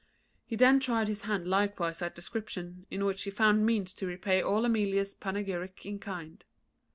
He then tried his hand likewise at description, in which he found means to repay all Amelia's panegyric in kind.